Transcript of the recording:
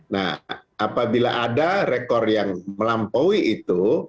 nah apabila ada rekor yang melampaui itu